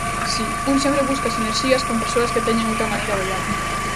Si, un sempre busca sinerxías con persoas que teñen outra maneira de ollar.